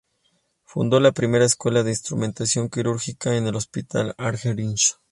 Fundó la primera Escuela de Instrumentación Quirúrgica en el Hospital Argerich.